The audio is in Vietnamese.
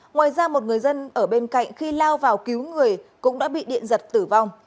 ngoài ra một người dân ở bên cạnh khi lao vào cứu người cũng đã bị điện giật tử vong